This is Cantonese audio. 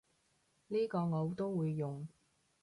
呢個我都會用